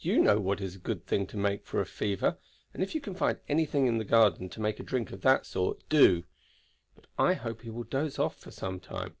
You know what is a good thing to give for a fever, and if you can find anything in the garden to make a drink of that sort, do; but I hope he will doze off for some time.